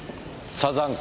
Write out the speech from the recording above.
サザンカ。